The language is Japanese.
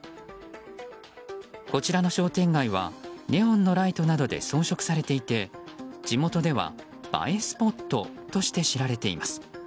こちらの商店街は、ネオンのライトなどで装飾されていて地元では映えスポットとして知られています。